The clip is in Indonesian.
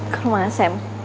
ke rumah sam